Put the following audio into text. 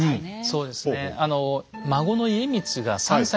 そうですね。